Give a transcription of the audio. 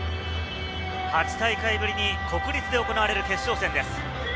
８大会ぶりに国立で行われる決勝戦です。